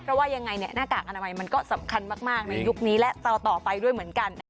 เพราะว่ายังไงหน้ากากอนามัยมันก็สำคัญมากในยุคนี้และเตาต่อไปด้วยเหมือนกัน